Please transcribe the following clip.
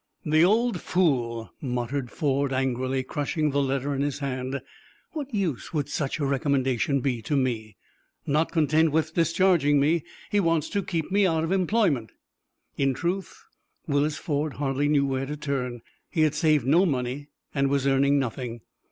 "The old fool!" muttered Ford, angrily crushing the letter in his hand. "What use would such a recommendation be to me? Not content with discharging me, he wants to keep me out of employment." In truth, Willis Ford hardly knew where to turn. He had saved no money, and was earning nothing.